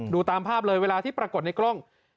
ตามภาพเลยเวลาที่ปรากฏในกล้อง